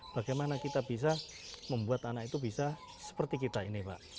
bagaimana kita bisa membuat anak itu bisa seperti kita ini pak